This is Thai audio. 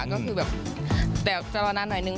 ก็คือแบบแต่จะรอนานหน่อยนึง